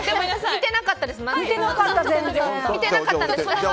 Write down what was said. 見てなかったです。